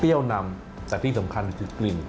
เปรี้ยวน้ำแต่ที่สำคัญคือกลิ่น